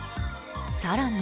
更に